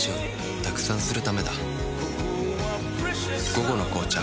「午後の紅茶」